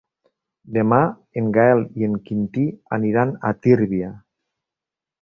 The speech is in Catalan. Demà en Gaël i en Quintí aniran a Tírvia.